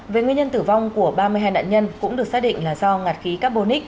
về nguyên nhân tử vong của ba mươi hai nạn nhân cũng được xác định là do ngạt khí carbonic